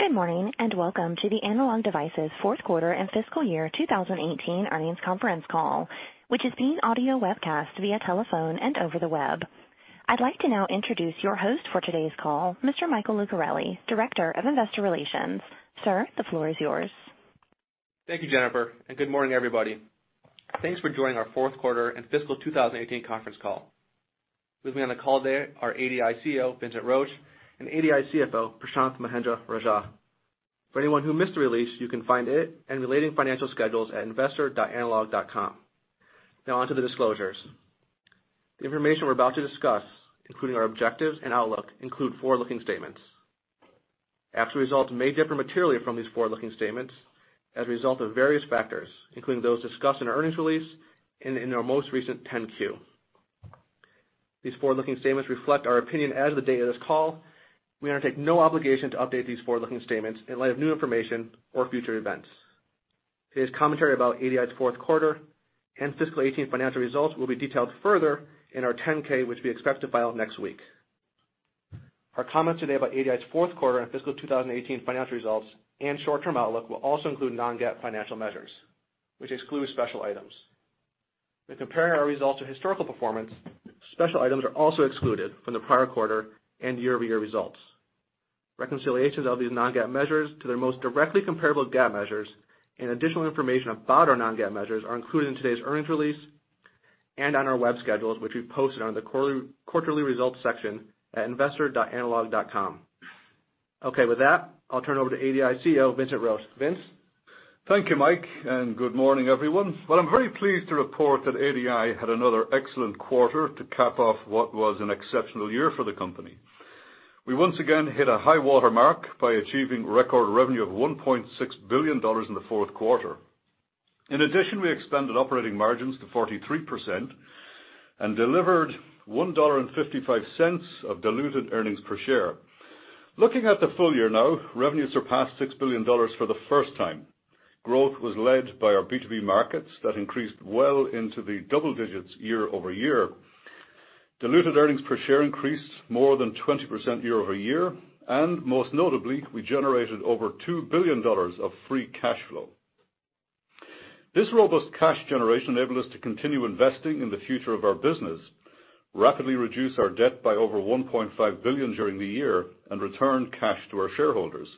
Good morning, and welcome to the Analog Devices fourth quarter and fiscal year 2018 earnings conference call, which is being audio webcast via telephone and over the web. I'd like to now introduce your host for today's call, Mr. Michael Lucarelli, Director of Investor Relations. Sir, the floor is yours. Thank you, Jennifer, good morning, everybody. Thanks for joining our fourth quarter and fiscal 2018 conference call. With me on the call today are ADI CEO, Vincent Roche, and ADI CFO, Prashanth Mahendra-Rajah. For anyone who missed the release, you can find it and relating financial schedules at investor.analog.com. On to the disclosures. The information we're about to discuss, including our objectives and outlook, include forward-looking statements. Actual results may differ materially from these forward-looking statements as a result of various factors, including those discussed in our earnings release and in our most recent Form 10-Q. These forward-looking statements reflect our opinion as of the date of this call. We undertake no obligation to update these forward-looking statements in light of new information or future events. Today's commentary about ADI's fourth quarter and fiscal 2018 financial results will be detailed further in our 10-K, which we expect to file next week. Our comments today about ADI's fourth quarter and fiscal 2018 financial results and short-term outlook will also include non-GAAP financial measures, which exclude special items. When comparing our results to historical performance, special items are also excluded from the prior quarter and year-over-year results. Reconciliations of these non-GAAP measures to their most directly comparable GAAP measures and additional information about our non-GAAP measures are included in today's earnings release and on our web schedules, which we've posted on the quarterly results section at investor.analog.com. With that, I'll turn it over to ADI CEO, Vincent Roche. Vince? Thank you, Mike, good morning, everyone. I'm very pleased to report that ADI had another excellent quarter to cap off what was an exceptional year for the company. We once again hit a high-water mark by achieving record revenue of $1.6 billion in the fourth quarter. In addition, we expanded operating margins to 43% and delivered $1.55 of diluted earnings per share. Looking at the full year, revenue surpassed $6 billion for the first time. Growth was led by our B2B markets that increased well into the double digits year-over-year. Diluted earnings per share increased more than 20% year-over-year, and most notably, we generated over $2 billion of free cash flow. This robust cash generation enabled us to continue investing in the future of our business, rapidly reduce our debt by over $1.5 billion during the year, and return cash to our shareholders.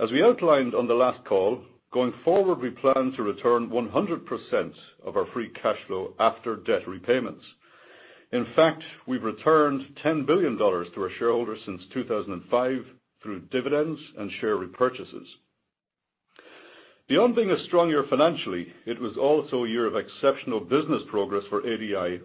As we outlined on the last call, going forward, we plan to return 100% of our free cash flow after debt repayments. In fact, we've returned $10 billion to our shareholders since 2005 through dividends and share repurchases. Beyond being a strong year financially, it was also a year of exceptional business progress for ADI.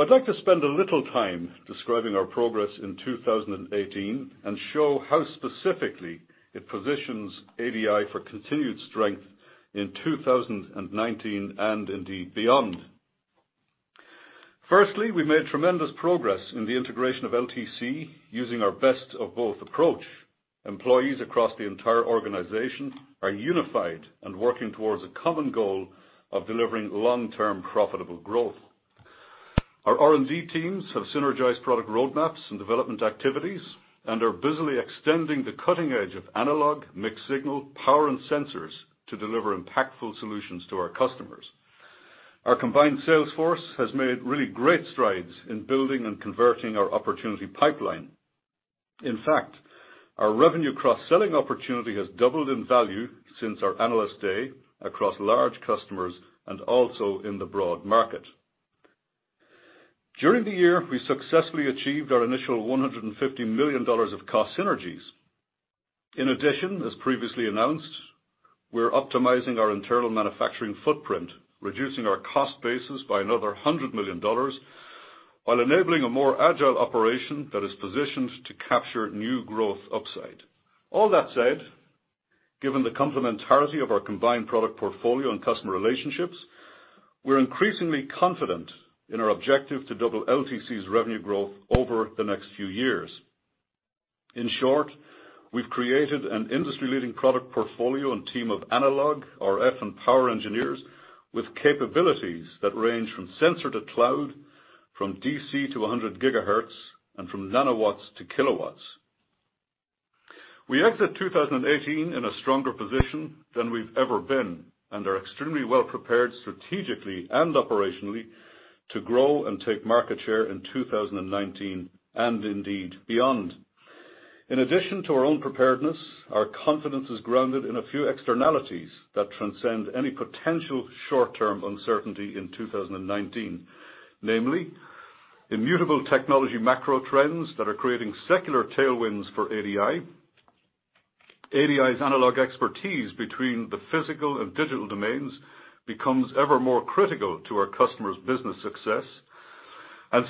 I'd like to spend a little time describing our progress in 2018 and show how specifically it positions ADI for continued strength in 2019, and indeed beyond. Firstly, we made tremendous progress in the integration of LTC using our best of both approach. Employees across the entire organization are unified and working towards a common goal of delivering long-term profitable growth. Our R&D teams have synergized product roadmaps and development activities and are busily extending the cutting edge of analog, mixed signal, power, and sensors to deliver impactful solutions to our customers. Our combined sales force has made really great strides in building and converting our opportunity pipeline. In fact, our revenue cross-selling opportunity has doubled in value since our Analyst Day across large customers and also in the broad market. During the year, we successfully achieved our initial $150 million of cost synergies. In addition, as previously announced, we're optimizing our internal manufacturing footprint, reducing our cost basis by another $100 million while enabling a more agile operation that is positioned to capture new growth upside. All that said, given the complementarity of our combined product portfolio and customer relationships, we're increasingly confident in our objective to double LTC's revenue growth over the next few years. In short, we've created an industry-leading product portfolio and team of analog, RF, and power engineers with capabilities that range from sensor to cloud, from DC to 100 GHz, and from nanowatts to kilowatts. We exit 2018 in a stronger position than we've ever been and are extremely well prepared strategically and operationally to grow and take market share in 2019, and indeed beyond. In addition to our own preparedness, our confidence is grounded in a few externalities that transcend any potential short-term uncertainty in 2019. Namely, immutable technology macro trends that are creating secular tailwinds for ADI. ADI's analog expertise between the physical and digital domains becomes ever more critical to our customers' business success.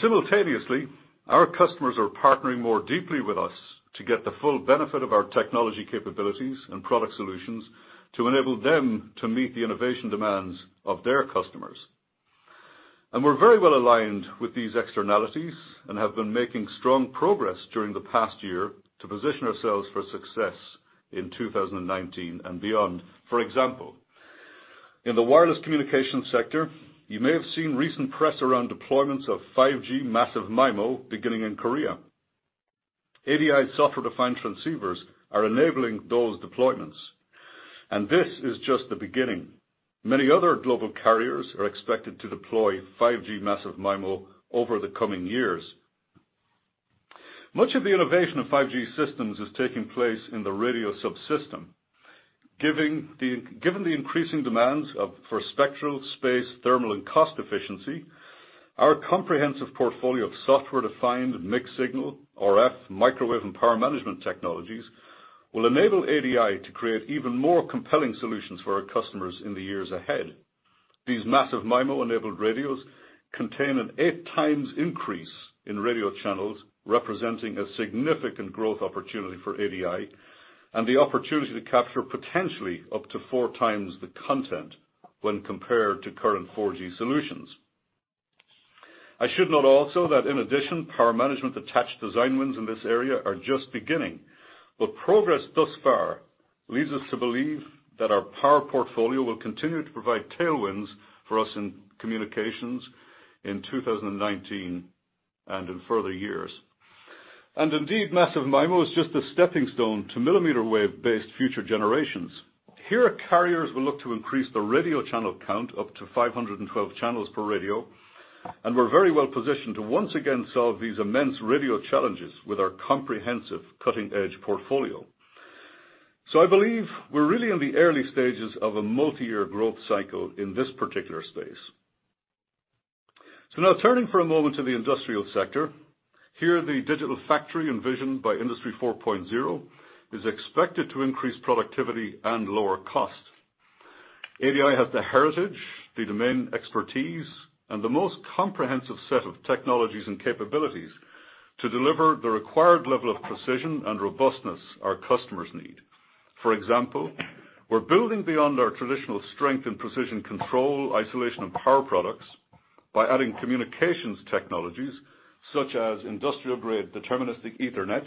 Simultaneously, our customers are partnering more deeply with us to get the full benefit of our technology capabilities and product solutions to enable them to meet the innovation demands of their customers. We're very well aligned with these externalities and have been making strong progress during the past year to position ourselves for success in 2019 and beyond. For example, in the wireless communications sector, you may have seen recent press around deployments of 5G massive MIMO beginning in Korea. ADI software-defined transceivers are enabling those deployments, and this is just the beginning. Many other global carriers are expected to deploy 5G massive MIMO over the coming years. Much of the innovation of 5G systems is taking place in the radio subsystem. Given the increasing demands for spectral, space, thermal, and cost efficiency, our comprehensive portfolio of software-defined mixed signal, RF, microwave, and power management technologies will enable ADI to create even more compelling solutions for our customers in the years ahead. These massive MIMO-enabled radios contain an 8x increase in radio channels, representing a significant growth opportunity for ADI, and the opportunity to capture potentially up to 4x the content when compared to current 4G solutions. I should note also that in addition, power management attached design wins in this area are just beginning, but progress thus far leads us to believe that our power portfolio will continue to provide tailwinds for us in Communications in 2019 and in further years. Indeed, massive MIMO is just a stepping stone to millimeter wave-based future generations. Here, carriers will look to increase the radio channel count up to 512 channels per radio, and we're very well-positioned to once again solve these immense radio challenges with our comprehensive cutting-edge portfolio. I believe we're really in the early stages of a multi-year growth cycle in this particular space. Now turning for a moment to the Industrial sector. Here, the digital factory envisioned by Industry 4.0 is expected to increase productivity and lower cost. ADI has the heritage, the domain expertise, and the most comprehensive set of technologies and capabilities to deliver the required level of precision and robustness our customers need. For example, we're building beyond our traditional strength in precision control, isolation, and power products by adding communications technologies such as industrial-grade deterministic Ethernet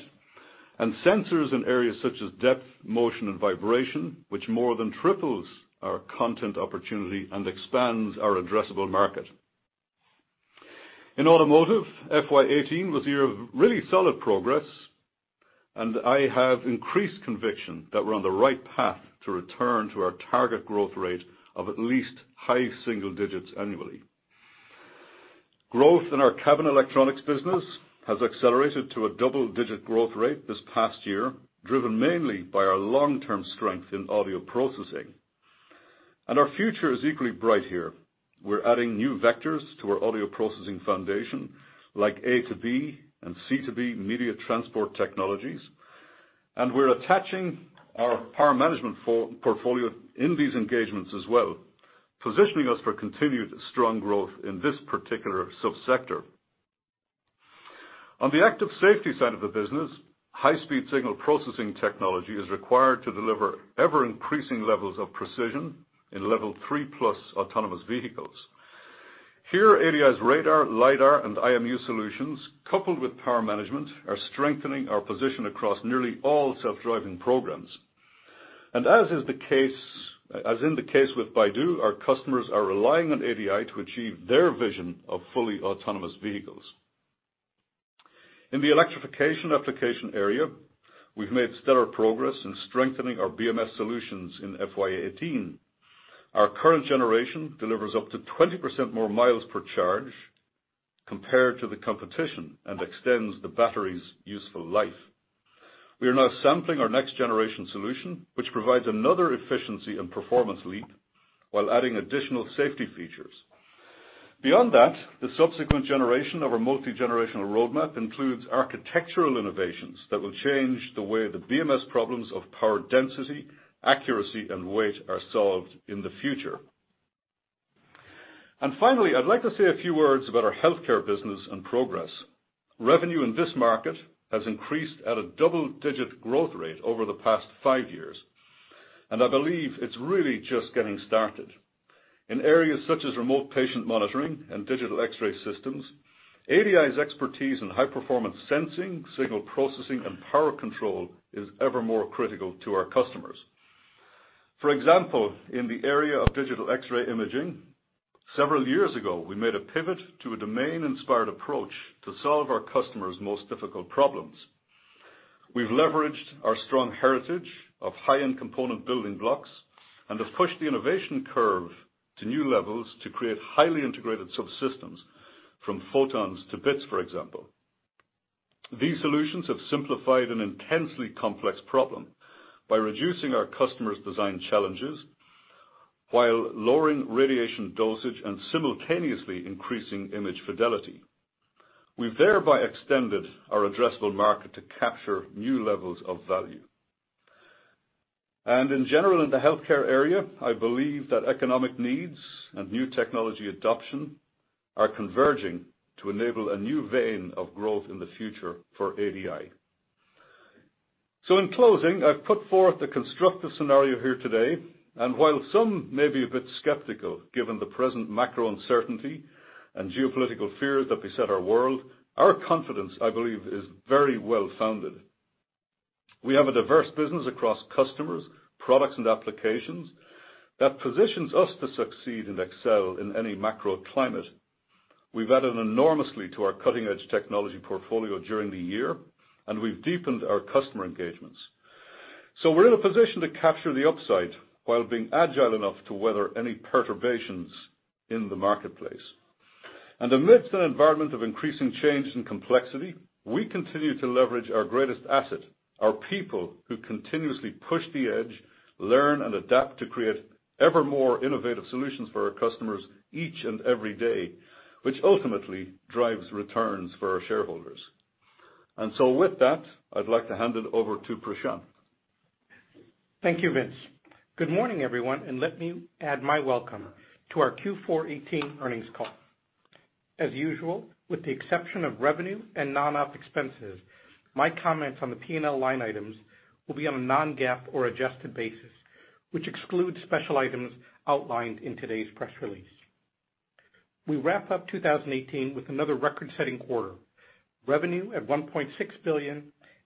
and sensors in areas such as depth, motion, and vibration, which more than triples our content opportunity and expands our addressable market. In Automotive, FY 2018 was a year of really solid progress, and I have increased conviction that we're on the right path to return to our target growth rate of at least high single digits annually. Growth in our cabin electronics business has accelerated to a double-digit growth rate this past year, driven mainly by our long-term strength in audio processing. Our future is equally bright here. We're adding new vectors to our audio processing foundation, like A2B and C2B media transport technologies, and we're attaching our power management portfolio in these engagements as well, positioning us for continued strong growth in this particular subsector. On the active safety side of the business, high-speed signal processing technology is required to deliver ever-increasing levels of precision in Level 3+ autonomous vehicles. Here, ADI's radar, lidar, and IMU solutions, coupled with power management, are strengthening our position across nearly all self-driving programs. As in the case with Baidu, our customers are relying on ADI to achieve their vision of fully autonomous vehicles. In the electrification application area, we've made stellar progress in strengthening our BMS solutions in FY 2018. Our current generation delivers up to 20% more miles per charge compared to the competition and extends the battery's useful life. We are now sampling our next-generation solution, which provides another efficiency and performance leap while adding additional safety features. Beyond that, the subsequent generation of our multi-generational roadmap includes architectural innovations that will change the way the BMS problems of power density, accuracy, and weight are solved in the future. Finally, I'd like to say a few words about our Healthcare business and progress. Revenue in this market has increased at a double-digit growth rate over the past five years, and I believe it's really just getting started. In areas such as remote patient monitoring and digital X-ray systems, ADI's expertise in high-performance sensing, signal processing, and power control is ever more critical to our customers. For example, in the area of digital X-ray imaging, several years ago, we made a pivot to a domain-inspired approach to solve our customers' most difficult problems. We've leveraged our strong heritage of high-end component building blocks and have pushed the innovation curve to new levels to create highly-integrated subsystems from photons to bits, for example. These solutions have simplified an intensely complex problem by reducing our customers' design challenges while lowering radiation dosage and simultaneously increasing image fidelity. We've thereby extended our addressable market to capture new levels of value. In general, in the Healthcare area, I believe that economic needs and new technology adoption are converging to enable a new vein of growth in the future for ADI. In closing, I've put forth a constructive scenario here today, and while some may be a bit skeptical, given the present macro uncertainty and geopolitical fears that beset our world, our confidence, I believe, is very well founded. We have a diverse business across customers, products, and applications that positions us to succeed and excel in any macro climate. We've added enormously to our cutting-edge technology portfolio during the year, and we've deepened our customer engagements. We're in a position to capture the upside while being agile enough to weather any perturbations in the marketplace. Amidst an environment of increasing change and complexity, we continue to leverage our greatest asset, our people, who continuously push the edge, learn and adapt to create ever more innovative solutions for our customers each and every day, which ultimately drives returns for our shareholders. With that, I'd like to hand it over to Prashanth. Thank you, Vincent. Good morning, everyone, let me add my welcome to our Q4 2018 earnings call. As usual, with the exception of revenue and non-op expenses, my comments on the P&L line items will be on a non-GAAP or adjusted basis, which excludes special items outlined in today's press release. We wrap up 2018 with another record-setting quarter. Revenue at $1.6 billion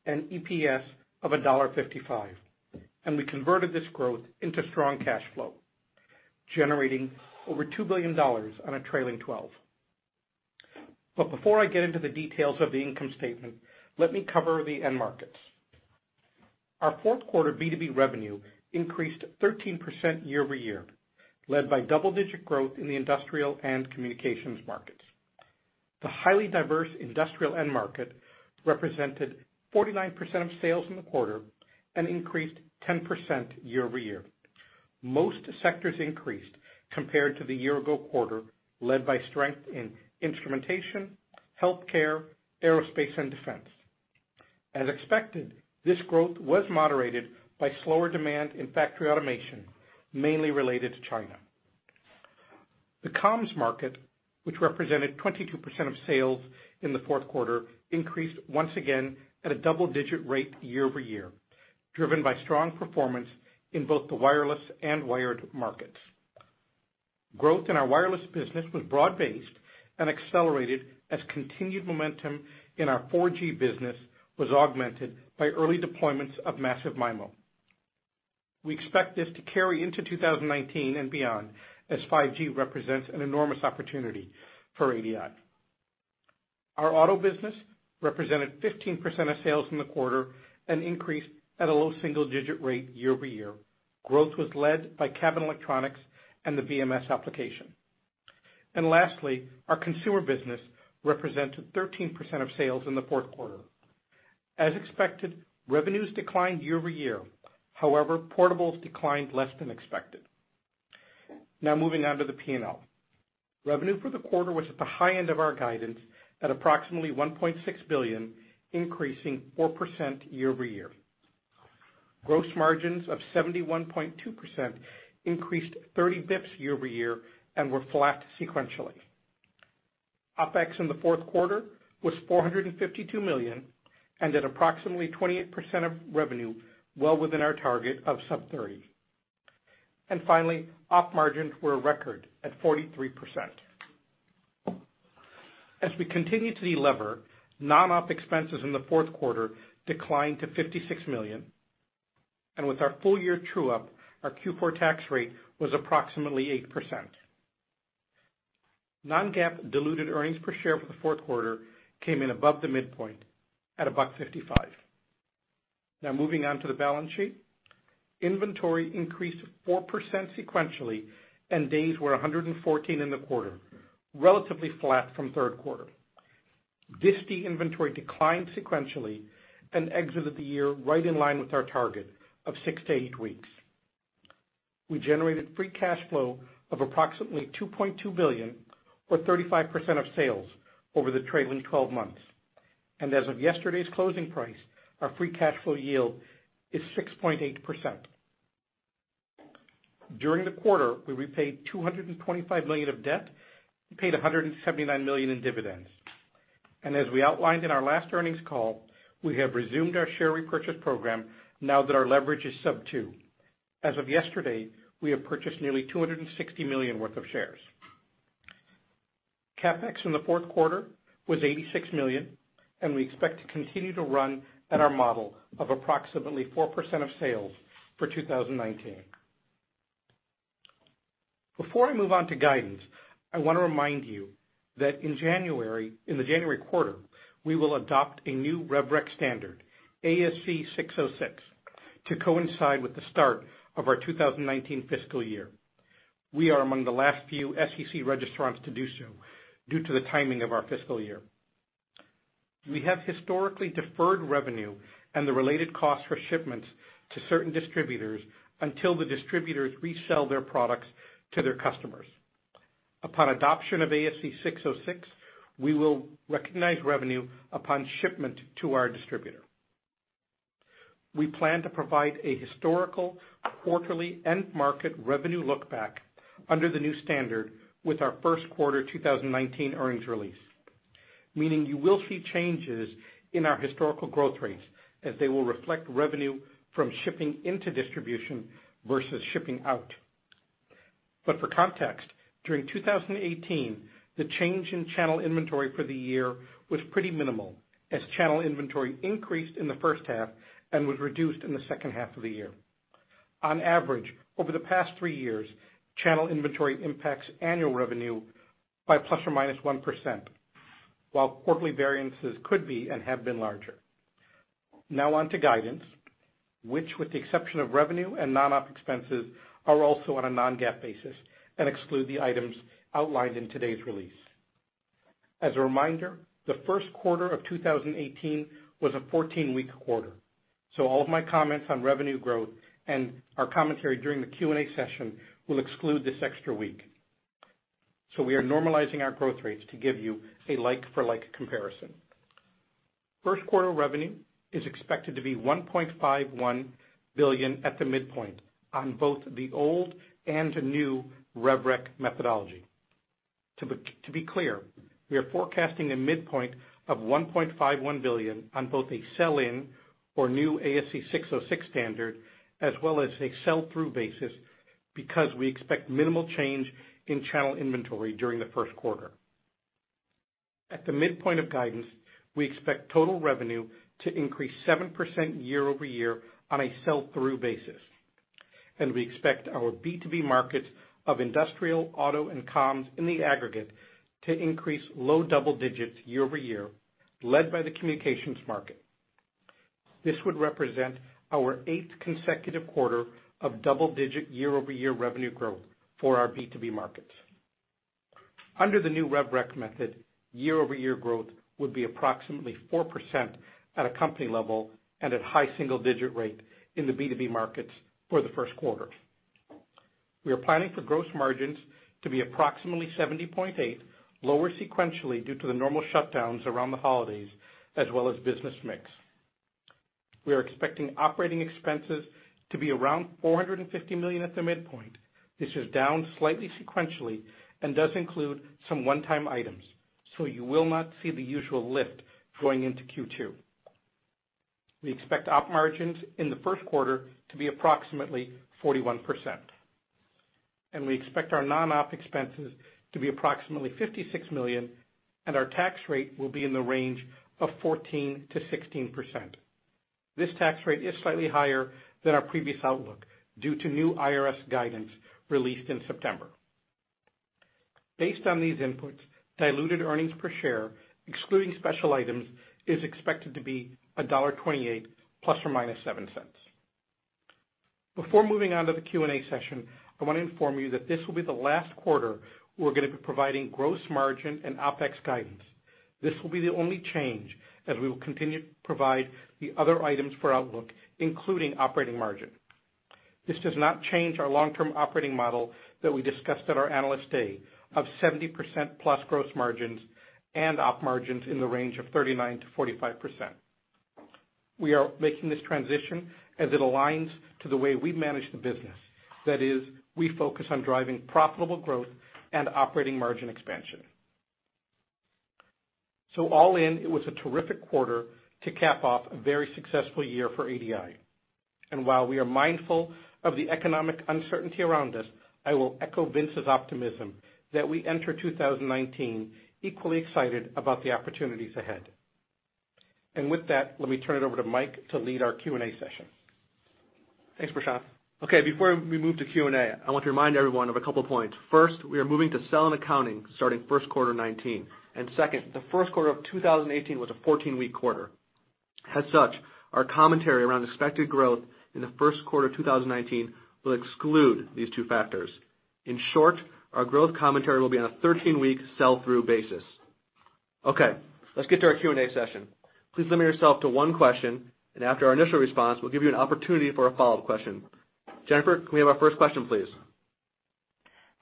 and EPS of $1.55. We converted this growth into strong cash flow, generating over $2 billion on a trailing 12. Before I get into the details of the income statement, let me cover the end markets. Our fourth quarter B2B revenue increased 13% year-over-year, led by double-digit growth in the Industrial and Communications markets. The highly diverse industrial end market represented 49% of sales in the quarter and increased 10% year-over-year. Most sectors increased compared to the year-ago quarter, led by strength in Instrumentation, Healthcare, Aerospace and Defense. As expected, this growth was moderated by slower demand in Factory Automation, mainly related to China. The Comms market, which represented 22% of sales in the fourth quarter, increased once again at a double-digit rate year-over-year, driven by strong performance in both the wireless and wired markets. Growth in our Wireless business was broad-based and accelerated as continued momentum in our 4G business was augmented by early deployments of massive MIMO. We expect this to carry into 2019 and beyond as 5G represents an enormous opportunity for ADI. Our Auto business represented 15% of sales in the quarter and increased at a low single-digit rate year-over-year. Growth was led by cabin electronics and the BMS application. Lastly, our Consumer business represented 13% of sales in the fourth quarter. As expected, revenues declined year-over-year. However, portables declined less than expected. Now moving on to the P&L. Revenue for the quarter was at the high end of our guidance at approximately $1.6 billion, increasing 4% year-over-year. Gross margins of 71.2% increased 30 basis points year-over-year and were flat sequentially. OpEx in the fourth quarter was $452 million and at approximately 28% of revenue, well within our target of sub-30%. Finally, op margins were a record at 43%. As we continue to delever, non-op expenses in the fourth quarter declined to $56 million, and with our full-year true-up, our Q4 tax rate was approximately 8%. Non-GAAP diluted earnings per share for the fourth quarter came in above the midpoint at $1.55. Now moving on to the balance sheet. Inventory increased 4% sequentially, and days were 114 in the quarter, relatively flat from third quarter. [Disty] inventory declined sequentially and exited the year right in line with our target of six to eight weeks. We generated free cash flow of approximately $2.2 billion or 35% of sales over the trailing 12 months. As of yesterday's closing price, our free cash flow yield is 6.8%. During the quarter, we repaid $225 million of debt and paid $179 million in dividends. As we outlined in our last earnings call, we have resumed our share repurchase program now that our leverage is sub-2x. As of yesterday, we have purchased nearly $260 million worth of shares. CapEx in the fourth quarter was $86 million, and we expect to continue to run at our model of approximately 4% of sales for 2019. Before I move on to guidance, I want to remind you that in the January quarter, we will adopt a new rev rec standard, ASC 606, to coincide with the start of our 2019 fiscal year. We are among the last few SEC registrants to do so due to the timing of our fiscal year. We have historically deferred revenue and the related cost for shipments to certain distributors until the distributors resell their products to their customers. Upon adoption of ASC 606, we will recognize revenue upon shipment to our distributor. We plan to provide a historical quarterly end-market revenue look-back under the new standard with our first quarter 2019 earnings release, meaning you will see changes in our historical growth rates as they will reflect revenue from shipping into distribution versus shipping out. For context, during 2018, the change in channel inventory for the year was pretty minimal, as channel inventory increased in the first half and was reduced in the second half of the year. On average, over the past three years, channel inventory impacts annual revenue by ±1%, while quarterly variances could be and have been larger. On to guidance, which with the exception of revenue and non-op expenses, are also on a non-GAAP basis and exclude the items outlined in today's release. As a reminder, the first quarter of 2018 was a 14-week quarter, all of my comments on revenue growth and our commentary during the Q&A session will exclude this extra week. We are normalizing our growth rates to give you a like-for-like comparison. First quarter revenue is expected to be $1.51 billion at the midpoint on both the old and new rev rec methodology. To be clear, we are forecasting a midpoint of $1.51 billion on both a sell-in or new ASC 606 standard, as well as a sell-through basis because we expect minimal change in channel inventory during the first quarter. At the midpoint of guidance, we expect total revenue to increase 7% year-over-year on a sell-through basis, and we expect our B2B markets of Industrial, Auto, and Comms in the aggregate to increase low double digits year-over-year, led by the Communications market. This would represent our eighth consecutive quarter of double-digit year-over-year revenue growth for our B2B markets. Under the new rev rec method, year-over-year growth would be approximately 4% at a company level and at high single-digit rate in the B2B markets for the first quarter. We are planning for gross margins to be approximately 70.8%, lower sequentially due to the normal shutdowns around the holidays as well as business mix. We are expecting operating expenses to be around $450 million at the midpoint. This is down slightly sequentially and does include some one-time items, you will not see the usual lift going into Q2. We expect op margins in the first quarter to be approximately 41%, and we expect our non-op expenses to be approximately $56 million, and our tax rate will be in the range of 14%-16%. This tax rate is slightly higher than our previous outlook due to new IRS guidance released in September. Based on these inputs, diluted earnings per share, excluding special items, is expected to be $1.28 ±$0.07. Before moving on to the Q&A session, I want to inform you that this will be the last quarter we're going to be providing gross margin and OpEx guidance. This will be the only change as we will continue to provide the other items for outlook, including operating margin. This does not change our long-term operating model that we discussed at our Analyst Day of 70%+ gross margins and op margins in the range of 39%-45%. We are making this transition as it aligns to the way we manage the business. That is, we focus on driving profitable growth and operating margin expansion. All in, it was a terrific quarter to cap off a very successful year for ADI. While we are mindful of the economic uncertainty around us, I will echo Vince's optimism that we enter 2019 equally excited about the opportunities ahead. With that, let me turn it over to Mike to lead our Q&A session. Thanks, Prashanth. Before we move to Q&A, I want to remind everyone of a couple points. First, we are moving to sell-in accounting starting first quarter 2019. Second, the first quarter of 2018 was a 14-week quarter. As such, our commentary around expected growth in the first quarter 2019 will exclude these two factors. In short, our growth commentary will be on a 13-week sell-through basis. Let's get to our Q&A session. Please limit yourself to one question, and after our initial response, we'll give you an opportunity for a follow-up question. Jennifer, can we have our first question, please?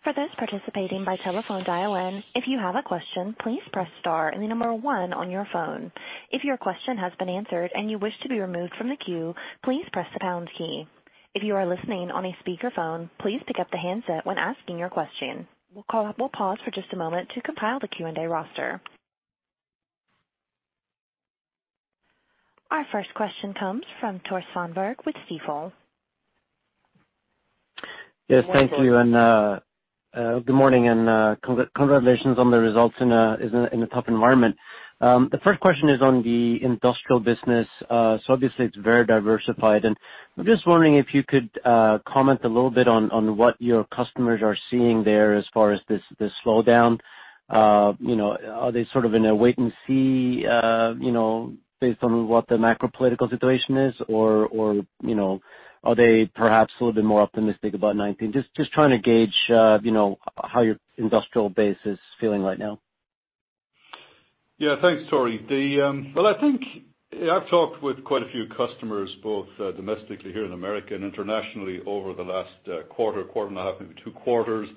For those participating by telephone dial-in, if you have a question, please press star and the number one on your phone. If your question has been answered and you wish to be removed from the queue, please press the pound key. If you are listening on a speakerphone, please pick up the handset when asking your question. We'll pause for just a moment to compile the Q&A roster. Our first question comes from Tore Svanberg with Stifel. Thank you, good morning, congratulations on the results in a tough environment. The first question is on the Industrial business. Obviously it's very diversified, and I'm just wondering if you could comment a little bit on what your customers are seeing there as far as this slowdown. Are they sort of in a wait-and-see based on what the macro political situation is? Or are they perhaps a little bit more optimistic about 2019? Just trying to gauge how your Industrial base is feeling right now. Yeah, thanks, Tore. I think I've talked with quite a few customers, both domestically here in America and internationally over the last quarter and a half, maybe two quarters,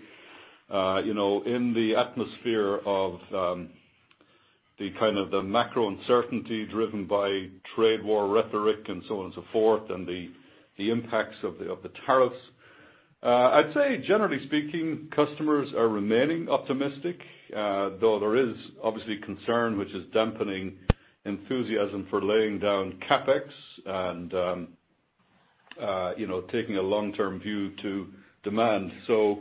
in the atmosphere of the kind of the macro uncertainty driven by trade war rhetoric and so on and so forth, and the impacts of the tariffs. I'd say generally speaking, customers are remaining optimistic, though there is obviously concern which is dampening enthusiasm for laying down CapEx and taking a long-term view to demand. I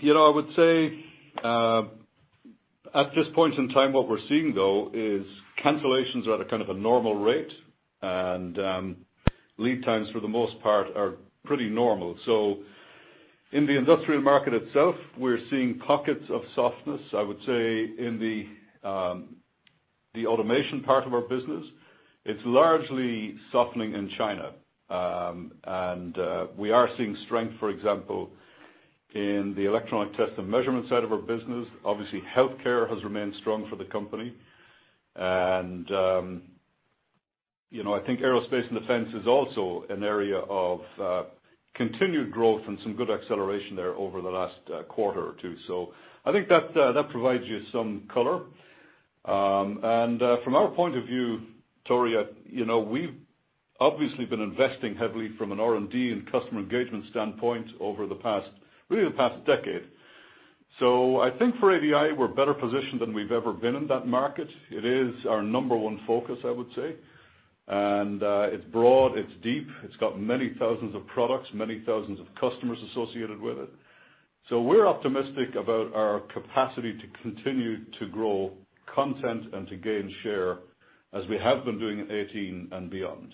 would say at this point in time what we're seeing, though, is cancellations are at a kind of a normal rate, and lead times for the most part are pretty normal. In the Industrial market itself, we're seeing pockets of softness. I would say in the Automation part of our business, it's largely softening in China. We are seeing strength, for example, in the Electronic Test and Measurement side of our business. Obviously, Healthcare has remained strong for the company. I think Aerospace and Defense is also an area of continued growth and some good acceleration there over the last quarter or two. I think that provides you some color. From our point of view, Tore, we've obviously been investing heavily from an R&D and customer engagement standpoint over really the past decade. I think for ADI, we're better positioned than we've ever been in that market. It is our number one focus, I would say. It's broad, it's deep, it's got many thousands of products, many thousands of customers associated with it. We're optimistic about our capacity to continue to grow content and to gain share as we have been doing in 2018 and beyond.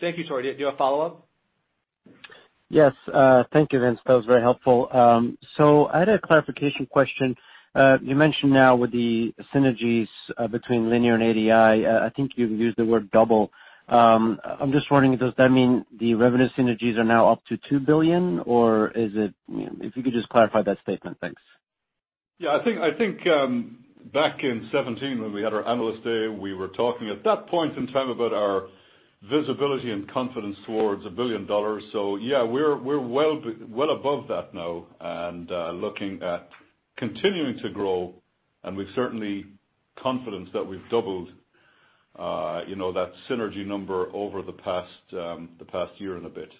Thank you. Tore, do you have a follow-up? Yes. Thank you, Vince. That was very helpful. I had a clarification question. You mentioned now with the synergies between Linear and ADI, I think you've used the word double. I'm just wondering, does that mean the revenue synergies are now up to $2 billion? If you could just clarify that statement. Thanks. Yeah. I think back in 2017, when we had our Analyst Day, we were talking at that point in time about our visibility and confidence towards $1 billion. Yeah, we're well above that now and looking at continuing to grow, and we've certainly confidence that we've doubled that synergy number over the past year and a bit.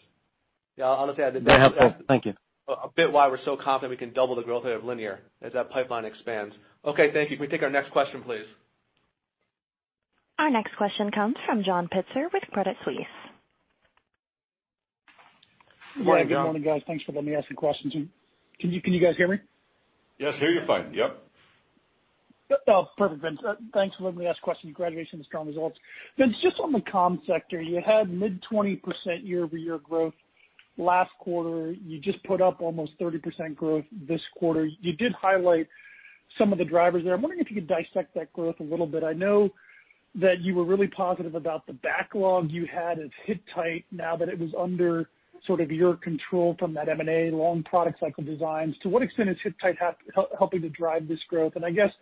Yeah, I'll just add a bit. Okay. Thank you. A bit why we're so confident we can double the growth rate of Linear as that pipeline expands. Okay, thank you. Can we take our next question, please? Our next question comes from John Pitzer with Credit Suisse. Morning, John. Good morning, guys. Thanks for letting me ask some questions. Can you guys hear me? Yes, hear you fine. Yep. Oh, perfect, Vince. Thanks for letting me ask questions. Congratulations on the strong results. Vince, just on the Comms sector, you had mid-20% year-over-year growth last quarter. You just put up almost 30% growth this quarter. You did highlight some of the drivers there. I'm wondering if you could dissect that growth a little bit. I know that you were really positive about the backlog you had at Hittite now that it was under sort of your control from that M&A long product cycle designs. To what extent is Hittite helping to drive this growth? I guess,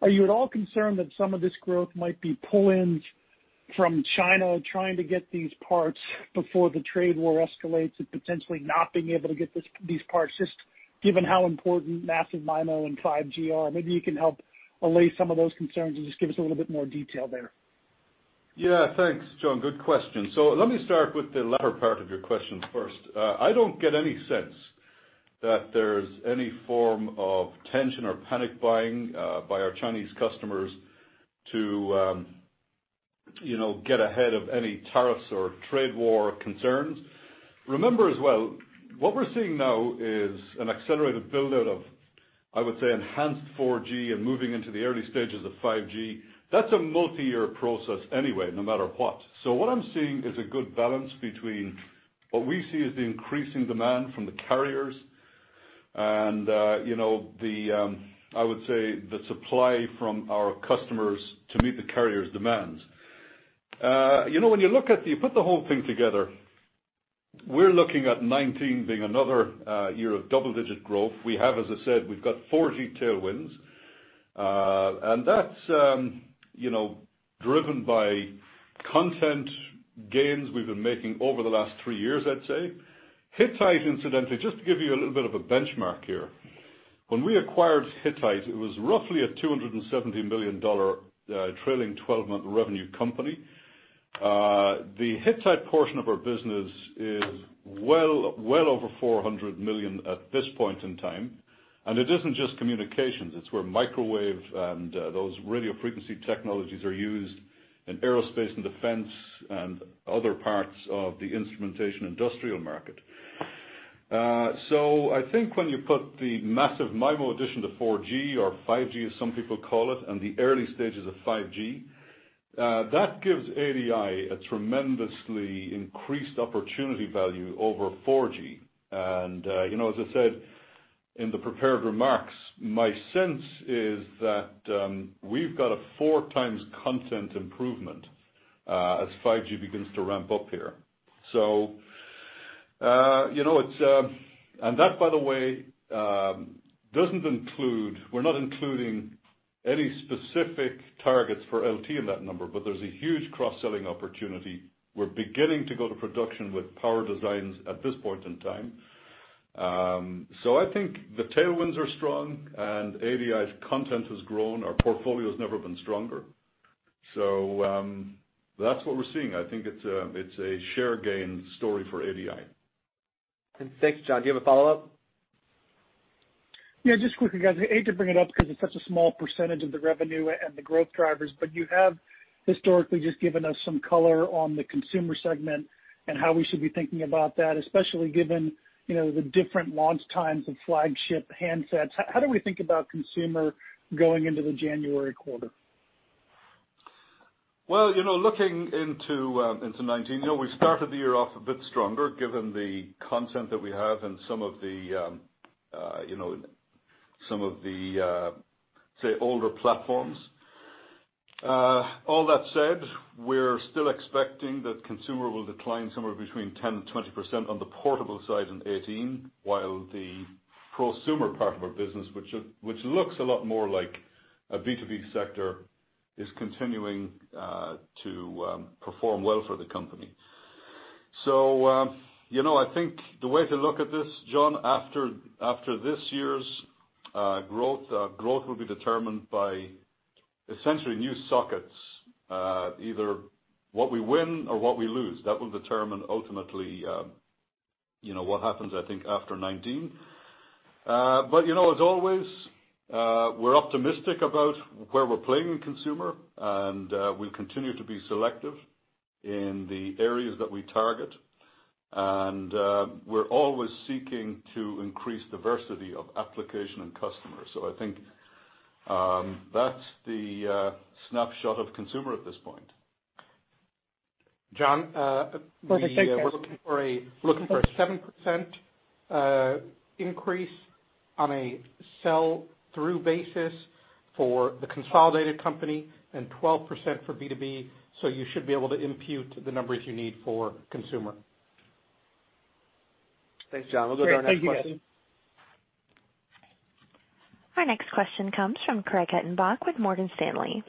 are you at all concerned that some of this growth might be pull-ins from China trying to get these parts before the trade war escalates and potentially not being able to get these parts, just given how important massive MIMO and 5G are? Maybe you can help allay some of those concerns and just give us a little bit more detail there. Yeah. Thanks, John. Good question. Let me start with the latter part of your question first. I don't get any sense that there's any form of tension or panic buying by our Chinese customers to get ahead of any tariffs or trade war concerns. Remember as well, what we're seeing now is an accelerated build-out of, I would say, enhanced 4G and moving into the early stages of 5G. That's a multi-year process anyway, no matter what. What I'm seeing is a good balance between what we see as the increasing demand from the carriers and the supply from our customers to meet the carriers' demands. When you put the whole thing together, we're looking at 2019 being another year of double-digit growth. As I said, we've got 4G tailwinds, that's driven by content gains we've been making over the last three years, I'd say. Hittite, incidentally, just to give you a little bit of a benchmark here. When we acquired Hittite, it was roughly a $270 million trailing 12-month revenue company. The Hittite portion of our business is well over $400 million at this point in time, and it isn't just communications. It's where microwave and those radio frequency technologies are used in Aerospace and Defense and other parts of the instrumentation industrial market. I think when you put the massive MIMO addition to 4G or 5G, as some people call it, and the early stages of 5G, that gives ADI a tremendously increased opportunity value over 4G. As I said in the prepared remarks, my sense is that we've got a 4x content improvement as 5G begins to ramp up here. That, by the way, we're not including any specific targets for LT in that number, but there's a huge cross-selling opportunity. We're beginning to go to production with power designs at this point in time. I think the tailwinds are strong and ADI's content has grown. Our portfolio's never been stronger. That's what we're seeing. I think it's a share gain story for ADI. Thanks, John. Do you have a follow-up? Yeah, just quickly, guys, I hate to bring it up because it's such a small percentage of the revenue and the growth drivers. You have historically just given us some color on the Consumer segment and how we should be thinking about that, especially given the different launch times of flagship handsets. How do we think about Consumer going into the January quarter? Looking into 2019, we started the year off a bit stronger given the content that we have and some of the, say, older platforms. All that said, we're still expecting that Consumer will decline somewhere between 10% and 20% on the portable side in 2018, while the prosumer part of our business, which looks a lot more like a B2B sector, is continuing to perform well for the company. I think the way to look at this, John, after this year's growth will be determined by essentially new sockets, either what we win or what we lose. That will determine ultimately what happens, I think, after 2019. As always, we're optimistic about where we're playing in Consumer, and we continue to be selective in the areas that we target. We're always seeking to increase diversity of application and customers. I think that's the snapshot of Consumer at this point. John- Perfect. Thanks, guys. We're looking for a 7% increase on a sell-through basis for the consolidated company and 12% for B2B, you should be able to impute the numbers you need for Consumer. Thanks, John. We'll go to our next question. Great. Thank you, guys. Our next question comes from Craig Hettenbach with Morgan Stanley.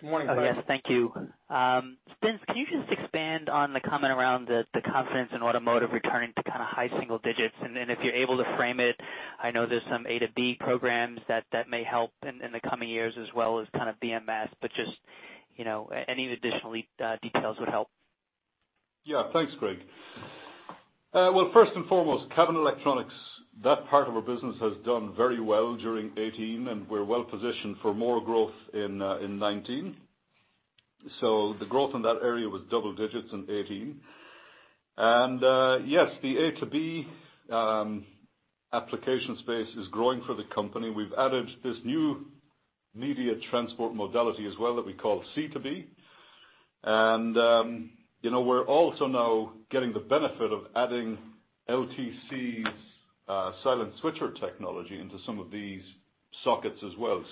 Good morning, Craig. Yes, thank you. Vince, can you just expand on the comment around the confidence in Automotive returning to kind of high single digits? If you're able to frame it, I know there's some A2B programs that may help in the coming years, as well as kind of BMS, just any additional details would help. Thanks, Craig. First and foremost, cabin electronics, that part of our business has done very well during 2018, we're well-positioned for more growth in 2019. The growth in that area was double digits in 2018. Yes, the A2B application space is growing for the company. We've added this new media transport modality as well that we call C2B. We're also now getting the benefit of adding LTC's Silent Switcher technology into some of these sockets as well.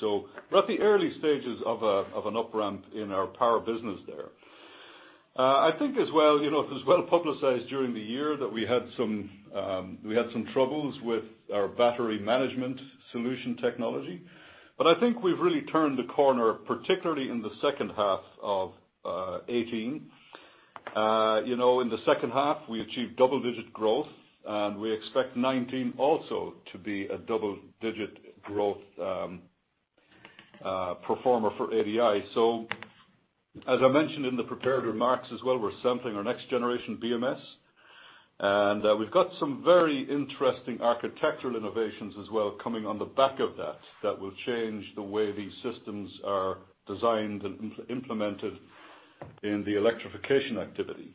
We're at the early stages of an up-ramp in our Power business there. I think as well, it was well-publicized during the year that we had some troubles with our Battery Management solution technology. I think we've really turned the corner, particularly in the second half of 2018. In the second half, we achieved double-digit growth, we expect 2019 also to be a double-digit growth performer for ADI. As I mentioned in the prepared remarks as well, we're sampling our next-generation BMS, we've got some very interesting architectural innovations as well coming on the back of that will change the way these systems are designed and implemented in the electrification activity.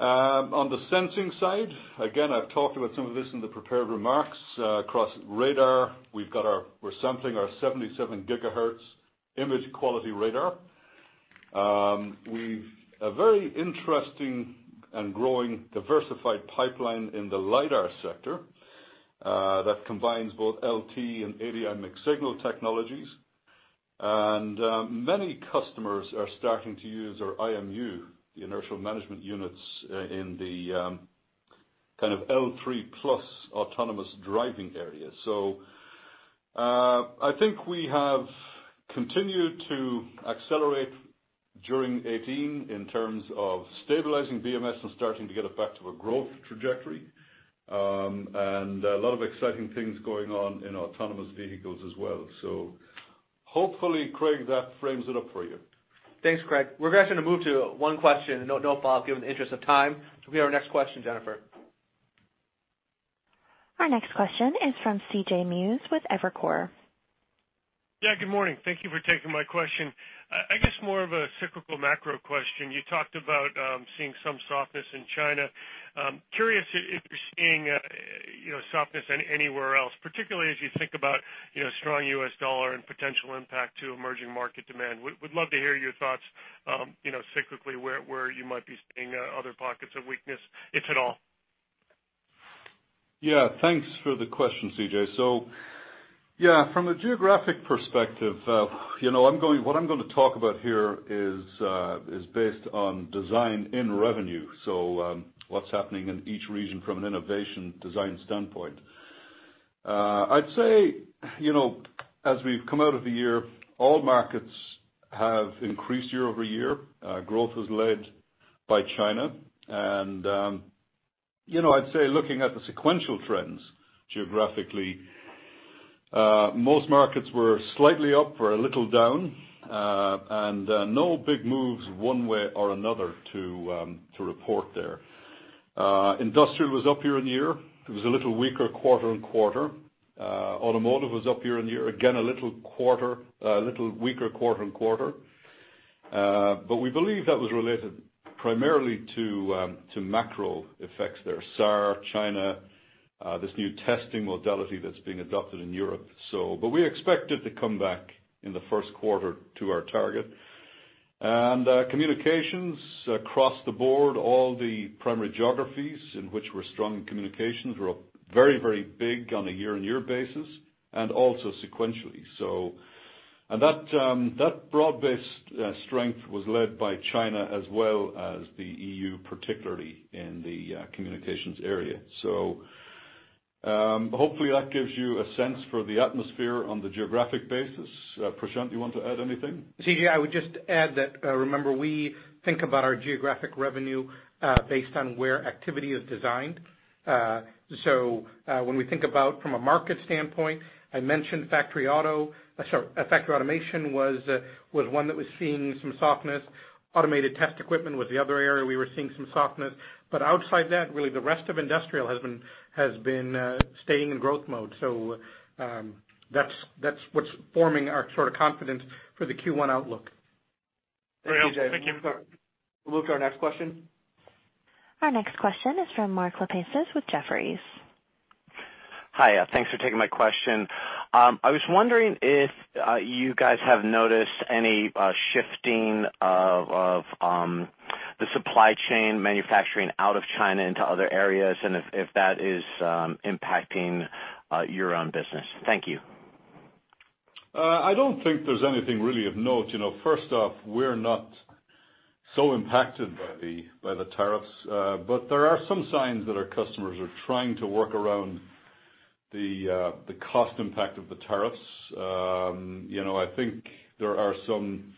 On the sensing side, again, I've talked about some of this in the prepared remarks. Across radar, we're sampling our 77 GHz image quality radar. We've a very interesting and growing diversified pipeline in the lidar sector that combines both LT and ADI mixed signal technologies. Many customers are starting to use our IMU, the inertial measurement units, in the kind of L3+ autonomous driving area. I think we have continued to accelerate during 2018 in terms of stabilizing BMS and starting to get it back to a growth trajectory. A lot of exciting things going on in autonomous vehicles as well. Hopefully, Craig, that frames it up for you. Thanks, Craig. We're going to move to one question, no follow-up, given the interest of time. We have our next question, Jennifer. Our next question is from C.J. Muse with Evercore. Good morning. Thank you for taking my question. I guess more of a cyclical macro question. You talked about seeing some softness in China. Curious if you're seeing softness anywhere else, particularly as you think about strong U.S. dollar and potential impact to emerging market demand. Would love to hear your thoughts cyclically where you might be seeing other pockets of weakness, if at all. Thanks for the question, C.J. From a geographic perspective, what I'm going to talk about here is based on design in revenue, so what's happening in each region from an innovation design standpoint. I'd say as we've come out of the year, all markets have increased year-over-year. Growth was led by China. I'd say looking at the sequential trends geographically, most markets were slightly up or a little down, and no big moves one way or another to report there. Industrial was up year-on-year. It was a little weaker quarter-on-quarter. Automotive was up year-on-year. Again, a little weaker quarter-on-quarter. We believe that was related primarily to macro effects there. [SAR], China, this new testing modality that's being adopted in Europe. We expect it to come back in the first quarter to our target. Communications across the board, all the primary geographies in which we're strong in Communications, were up very, very big on a year-on-year basis and also sequentially. That broad-based strength was led by China as well as the EU, particularly in the communications area. Hopefully, that gives you a sense for the atmosphere on the geographic basis. Prashanth, you want to add anything? C.J., I would just add that, remember, we think about our geographic revenue, based on where activity is designed. When we think about from a market standpoint, I mentioned Factory Automation was one that was seeing some softness. Automated Test Equipment was the other area we were seeing some softness. Outside that, really, the rest of Industrial has been staying in growth mode. That's what's forming our sort of confidence for the Q1 outlook. Great. Thank you. We'll move to our next question. Our next question is from Mark Lipacis with Jefferies. Hi. Thanks for taking my question. I was wondering if you guys have noticed any shifting of the supply chain manufacturing out of China into other areas, and if that is impacting your own business. Thank you. I don't think there's anything really of note. First off, we're not so impacted by the tariffs. There are some signs that our customers are trying to work around the cost impact of the tariffs. I think there are some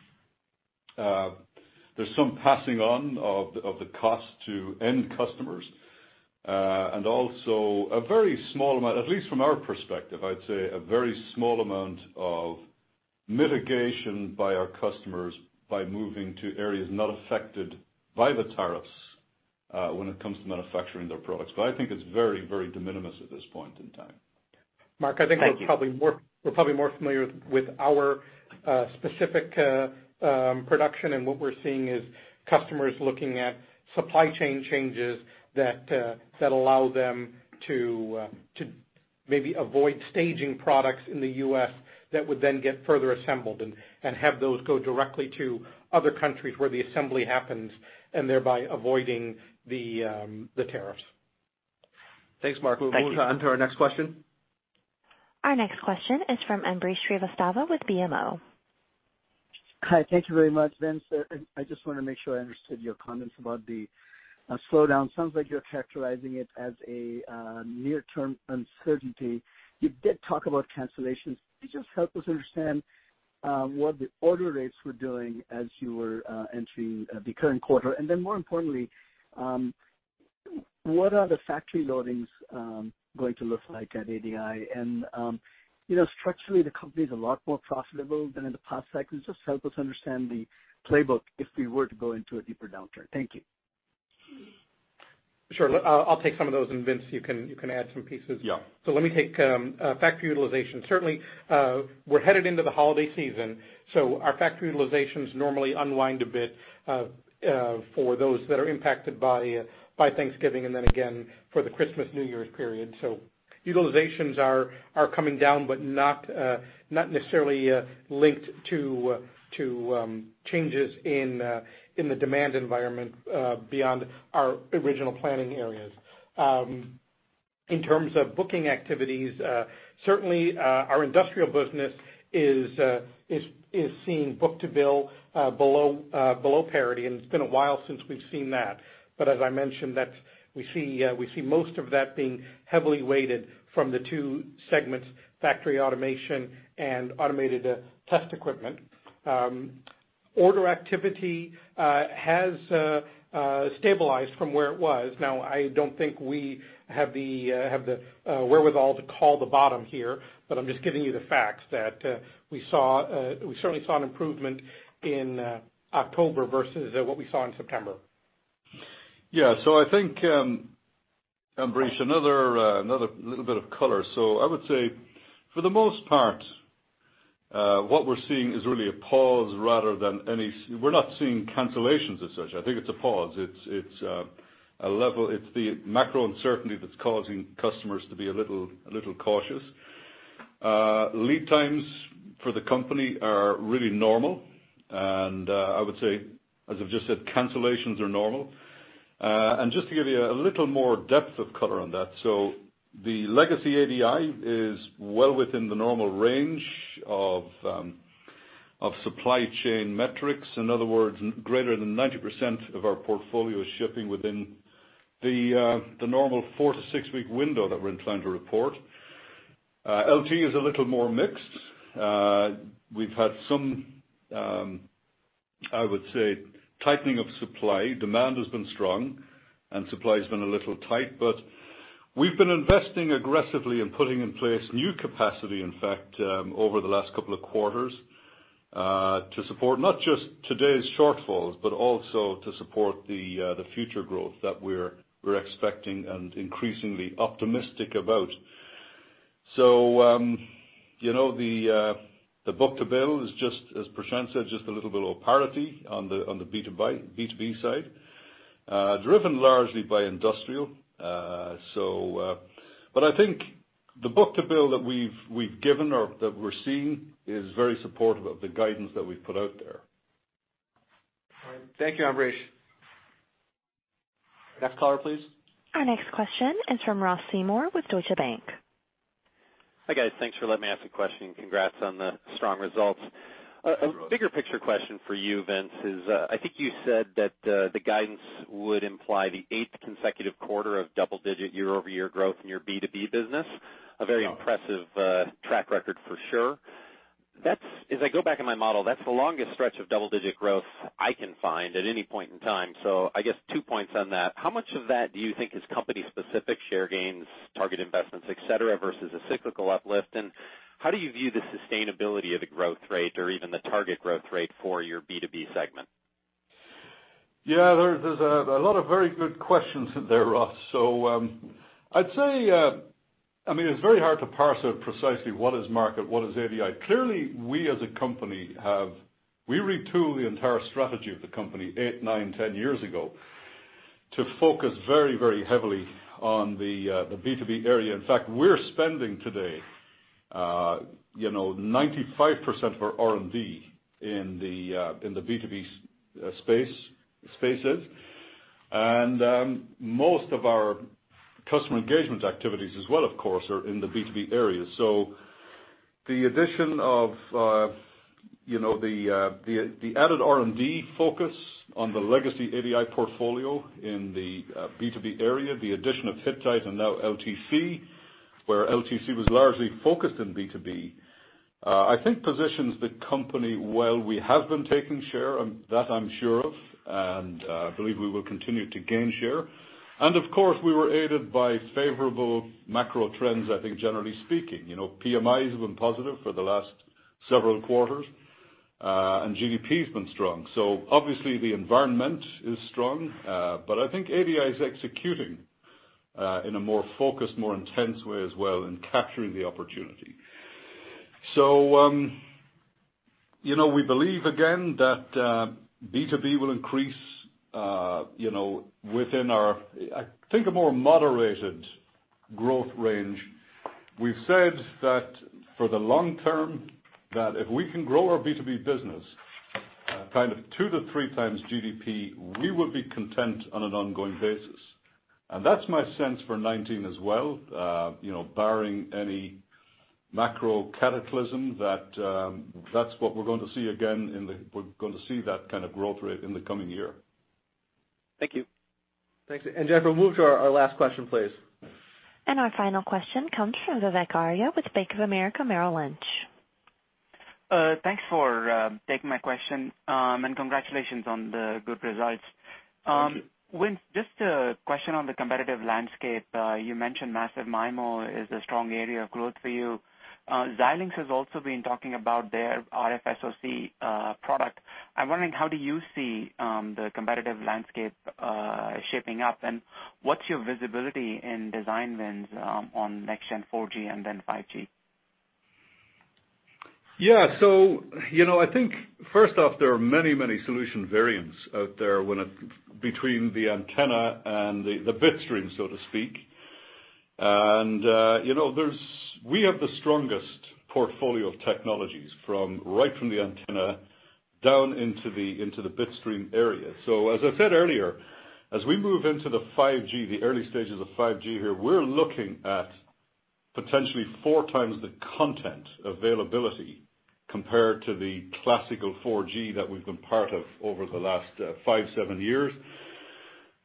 passing on of the costs to end customers. Also, a very small amount, at least from our perspective, I'd say a very small amount of mitigation by our customers by moving to areas not affected by the tariffs, when it comes to manufacturing their products. I think it's very, very de minimis at this point in time. Mark, I think. Thank you. We're probably more familiar with our specific production, and what we're seeing is customers looking at supply chain changes that allow them to maybe avoid staging products in the U.S. that would then get further assembled and have those go directly to other countries where the assembly happens, and thereby avoiding the tariffs. Thanks, Mark. Thank you. We'll move on to our next question. Our next question is from Ambrish Srivastava with BMO. Hi. Thank you very much. Vince, I just want to make sure I understood your comments about the slowdown. Sounds like you're characterizing it as a near-term uncertainty. You did talk about cancellations. Can you just help us understand, what the order rates were doing as you were entering the current quarter? And more importantly, what are the factory loadings going to look like at ADI? And structurally, the company's a lot more profitable than in the past cycles. Just help us understand the playbook if we were to go into a deeper downturn. Thank you. Sure. I'll take some of those, and Vince, you can add some pieces. Yeah. Let me take factory utilization. Certainly, we're headed into the holiday season, our factory utilizations normally unwind a bit, for those that are impacted by Thanksgiving and then again for the Christmas-New Year's period. Utilizations are coming down, but not necessarily linked to changes in the demand environment beyond our original planning areas. In terms of booking activities, certainly, our Industrial business is seeing book-to-bill below parity, it's been a while since we've seen that. As I mentioned, we see most of that being heavily weighted from the two segments, Factory Automation and Automated Test Equipment. Order activity has stabilized from where it was. I don't think we have the wherewithal to call the bottom here, but I'm just giving you the facts that we certainly saw an improvement in October versus what we saw in September. I think, Ambrish, another little bit of color. I would say, for the most part, what we're seeing is really a pause rather than. We're not seeing cancellations as such. I think it's a pause. It's the macro uncertainty that's causing customers to be a little cautious. Lead times for the company are really normal, I would say, as I've just said, cancellations are normal. Just to give you a little more depth of color on that. The legacy ADI is well within the normal range of supply chain metrics. In other words, greater than 90% of our portfolio is shipping within the normal four- to six-week window that we're inclined to report. LT is a little more mixed. We've had some I would say tightening of supply. Demand has been strong and supply has been a little tight, we've been investing aggressively in putting in place new capacity, in fact, over the last couple of quarters, to support not just today's shortfalls, but also to support the future growth that we're expecting and increasingly optimistic about. The book-to-bill is just, as Prashanth said, just a little bit over parity on the B2B side, driven largely by Industrial. I think the book-to-bill that we've given or that we're seeing is very supportive of the guidance that we've put out there. All right. Thank you, Ambrish. Next caller, please. Our next question is from Ross Seymore with Deutsche Bank. Hi, guys. Thanks for letting me ask a question, and congrats on the strong results. Thanks, Ross. A bigger picture question for you, Vince, is, I think you said that the guidance would imply the eighth consecutive quarter of double-digit year-over-year growth in your B2B business. Yeah. A very impressive track record, for sure. If I can go back in my model, that's the longest stretch of double-digit growth I can find at any point in time. I guess two points on that. How much of that do you think is company specific share gains, target investments, et cetera, versus a cyclical uplift? How do you view the sustainability of the growth rate or even the target growth rate for your B2B segment? There's a lot of very good questions there, Ross. I'd say it's very hard to parse out precisely what is market, what is ADI. Clearly, we retooled the entire strategy of the company eight, nine, 10 years ago to focus very heavily on the B2B area. In fact, we're spending today 95% of our R&D in the B2B spaces. Most of our customer engagement activities as well, of course, are in the B2B areas. The addition of the added R&D focus on the legacy ADI portfolio in the B2B area, the addition of Hittite and now LTC, where LTC was largely focused in B2B, I think positions the company well. We have been taking share, that I'm sure of, and I believe we will continue to gain share. Of course, we were aided by favorable macro trends, I think generally speaking. PMI has been positive for the last several quarters, and GDP has been strong. Obviously the environment is strong. But I think ADI is executing in a more focused, more intense way as well in capturing the opportunity. We believe, again, that B2B will increase within our, I think, a more moderated growth range. We've said that for the long term that if we can grow our B2B business kind of 2x-3x GDP, we will be content on an ongoing basis. That's my sense for 2019 as well, barring any macro cataclysm, that that's what we're going to see again in the coming year. Thank you. Thanks. Jennifer, we'll move to our last question, please. Our final question comes from Vivek Arya with Bank of America Merrill Lynch. Thanks for taking my question, and congratulations on the good results. Thank you. Vince, just a question on the competitive landscape. You mentioned massive MIMO is a strong area of growth for you. Xilinx has also been talking about their RFSoC product. I'm wondering, how do you see the competitive landscape shaping up? What's your visibility in design wins on next-gen 4G and then 5G? Yeah. I think first off, there are many solution variants out there between the antenna and the bit stream, so to speak. We have the strongest portfolio of technologies right from the antenna down into the bit stream area. As I said earlier, as we move into the early stages of 5G here, we're looking at potentially 4x the content availability compared to the classical 4G that we've been part of over the last five, seven years.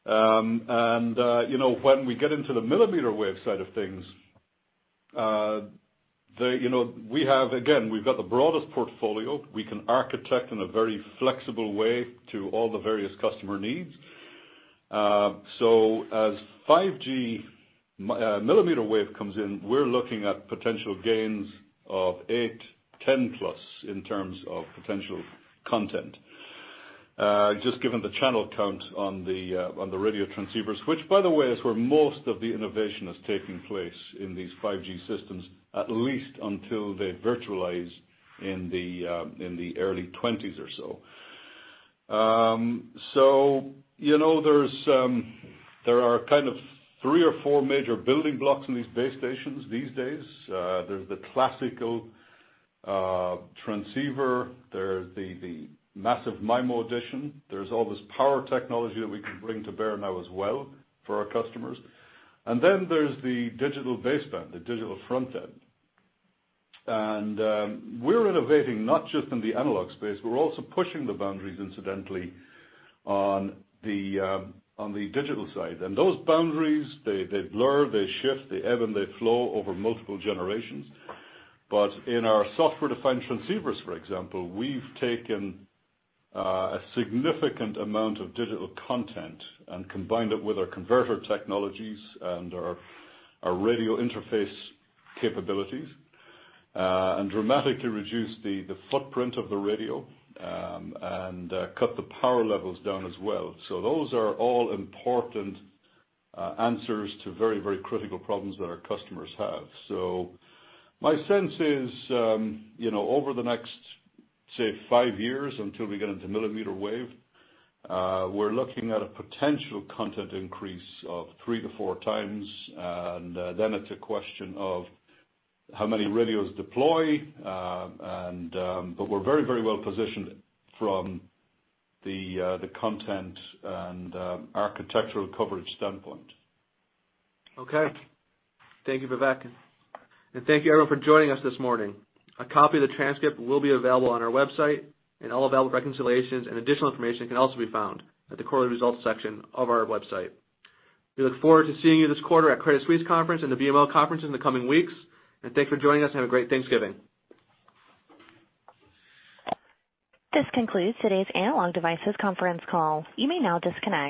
When we get into the millimeter wave side of things, again, we've got the broadest portfolio. We can architect in a very flexible way to all the various customer needs. As 5G millimeter wave comes in, we're looking at potential gains of eight, 10+ in terms of potential content. Just given the channel count on the radio transceivers, which by the way, is where most of the innovation is taking place in these 5G systems, at least until they virtualize in the early 2020s or so. There are kind of three or four major building blocks in these base stations these days. There's the classical transceiver, there's the massive MIMO addition, there's all this power technology that we can bring to bear now as well for our customers, and then there's the digital baseband, the digital front end. We're innovating not just in the analog space, we're also pushing the boundaries incidentally on the digital side. Those boundaries, they blur, they shift, they ebb and they flow over multiple generations. In our software-defined transceivers, for example, we've taken a significant amount of digital content and combined it with our converter technologies and our radio interface capabilities, and dramatically reduced the footprint of the radio, and cut the power levels down as well. Those are all important answers to very critical problems that our customers have. My sense is over the next, say, five years until we get into millimeter wave, we're looking at a potential content increase of 3x-4x, and then it's a question of how many radios deploy. We're very well-positioned from the content and architectural coverage standpoint. Okay. Thank you, Vivek. Thank you everyone for joining us this morning. A copy of the transcript will be available on our website, and all available reconciliations and additional information can also be found at the quarterly results section of our website. We look forward to seeing you this quarter at Credit Suisse conference and the BMO conference in the coming weeks. Thanks for joining us. Have a great Thanksgiving. This concludes today's Analog Devices conference call. You may now disconnect.